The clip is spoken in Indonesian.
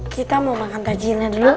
kita mau makan gajinya dulu